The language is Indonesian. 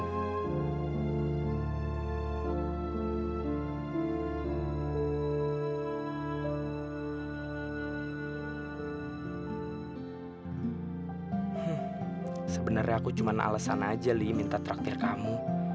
hmm sebenarnya aku cuma alesan aja nih minta terakhir kamu